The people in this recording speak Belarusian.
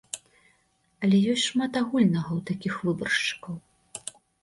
Але ёсць шмат агульнага ў такіх выбаршчыкаў.